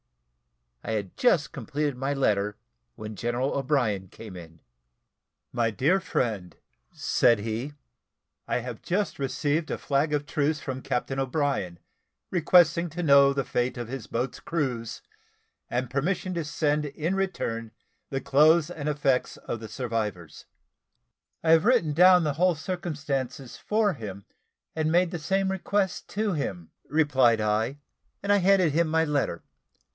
I had just completed my letter when General O'Brien came in. "My dear friend," said he, "I have just received a flag of truce from Captain O'Brien, requesting to know the fate of his boats' crews, and permission to send in return the clothes and effects of the survivors." "I have written down the whole circumstances for him, and made the same request to him," replied I; and I handed him my letter.